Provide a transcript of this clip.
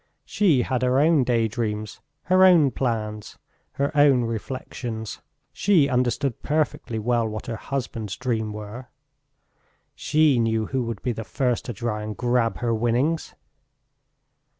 She had her own daydreams, her own plans, her own reflections; she understood perfectly well what her husband's dreams were. She knew who would be the first to try and grab her winnings.